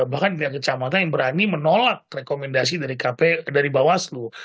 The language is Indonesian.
bahkan di pihak kecamatan yang berani menolak rekomendasi dari bawah seluruh